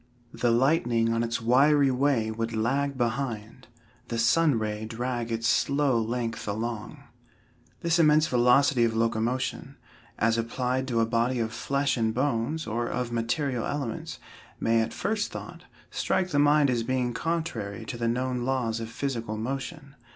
"The lightning on its wiry way would lag behind. The sun ray drag its slow length along." This immense velocity of locomotion, as applied to a body of flesh and bones, or of material elements, may at first thought, strike the mind as being contrary to the known laws of physical motion.